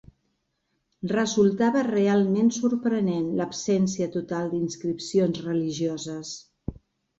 Resultava realment sorprenent l'absència total d'inscripcions religioses